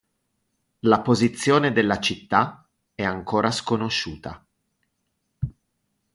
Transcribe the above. La posizione della città è ancora sconosciuta.